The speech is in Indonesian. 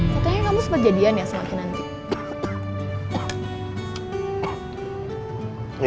katanya kamu sempat jadian ya semakin nanti